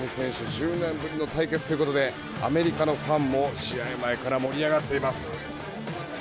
１０年ぶりの対決ということでアメリカのファンも試合前から盛り上がっています。